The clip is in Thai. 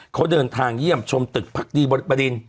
เขาเดินทางเยี่ยมชมตึกพักดีบริบดิน